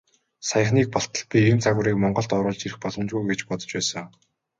Саяхныг болтол би энэ загварыг Монголд оруулж ирэх боломжгүй гэж бодож байсан.